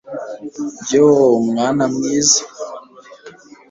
yoo yoo mwana mwiza